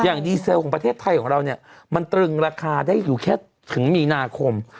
อย่างดีเซลของประเทศไทยของเราเนี่ยมันตรึงราคาได้อยู่แค่ถึงมีนาคม